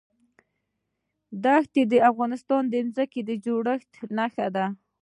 دښتې د افغانستان د ځمکې د جوړښت نښه ده.